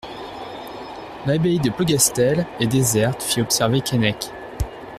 L'abbaye de Plogastel est déserte, fit observer Keinec.